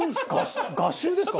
画集ですか？